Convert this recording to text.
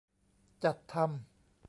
จัดทำ